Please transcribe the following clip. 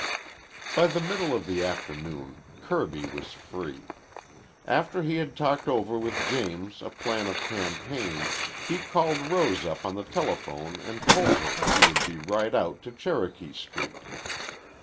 By the middle of the afternoon Kirby was free. After he had talked over with James a plan of campaign, he called Rose up on the telephone and told her he would be right out to Cherokee Street.